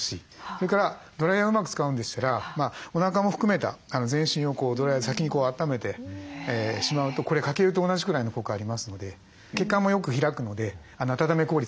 それからドライヤーうまく使うんでしたらおなかも含めた全身をドライヤーで先にあっためてしまうとこれ「かけ湯」と同じくらいの効果ありますので血管もよく開くので温め効率が上がります。